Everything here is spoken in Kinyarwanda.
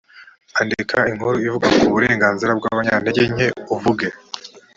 andika inkuru ivuga ku burenganzira bw abanyantege nke uvuge